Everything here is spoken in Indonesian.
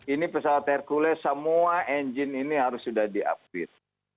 ini pesawat hercules semua engine ini harus sudah di upgrade